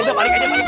udah balik aja balik